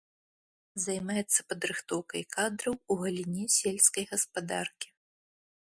Займаецца падрыхтоўкай кадраў у галіне сельскай гаспадаркі.